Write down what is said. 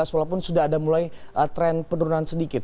walaupun sudah ada mulai tren penurunan sedikit